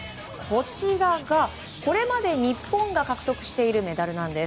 こちらがこれまで日本が獲得しているメダルです。